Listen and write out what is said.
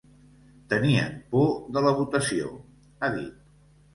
“Tenien por de la votació”, ha dit.